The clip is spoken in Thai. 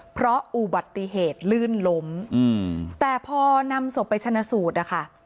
เพราะอุบัติเหตุลื่นล้มแต่พอนำศพไปชนะสูตรนะคะ